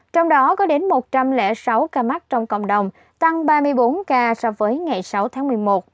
trong đó có đến một trăm linh sáu ca mắc trong cộng đồng tăng ba mươi bốn ca so với ngày sáu tháng một mươi một